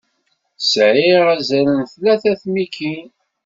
Sɛiɣ azal n tlata n tmikin.